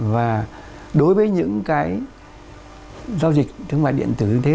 và đối với những cái giao dịch thương mại điện tử như thế